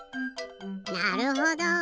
なるほど。